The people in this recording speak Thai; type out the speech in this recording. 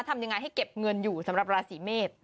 ทำยังไงให้เก็บเงินอยู่สำหรับราศีเมษ